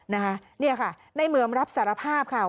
นะคะนี่ค่ะในเหมือมรับสารภาพค่ะ